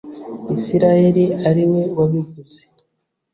Isirayeli ari we wabivuze